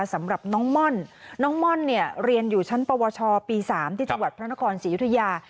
สำหรับน้องม่อนน้องม่อนเนี่ยเรียนอยู่ชั้นปวชปี๓ที่จังหวัดพระนครศรียุธยา